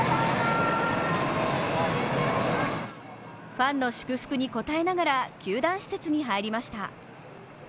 ファンの祝福に応えながら球団施設に入りました。